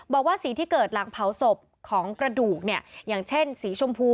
บอกว่าสีที่เกิดหลังเผาศพของกระดูกเนี่ยอย่างเช่นสีชมพู